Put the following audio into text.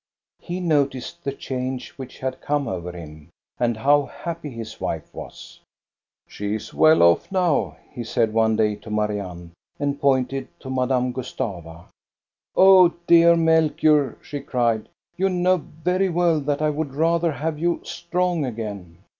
He noticed the change which had come over him, and how happy his wife was. " She is well off now," he said one day to Marianne, and pointed to Madame Gustava. " Oh, dear Melchior," she cried, "you know very well that I would rather have you strong again."